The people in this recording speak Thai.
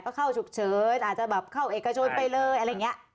ก็เข้าฉุกเฉินอาจจะแบบเข้าเอกชนไปเลยอะไรอย่างนี้